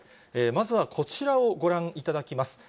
まずはこちらをご覧いただきます。